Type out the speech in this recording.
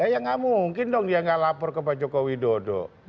ya tidak mungkin dong dia tidak lapor ke pak jokowi dodo